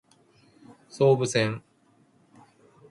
総武線